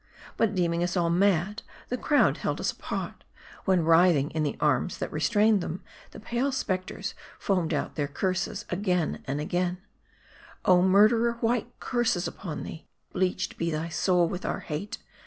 But deeming us air mad, the crowd held us apart ; when, writhing in the arms that restrained them, the pale specters foamed out their curses again and again: "Oh murderer! white curses upon thee ! Bleached be thy soul with our "hate